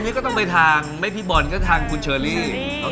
ดูการ์ตูนแล้วเดี๋ยวเราต้องมองผู้ช่วยเราก่อน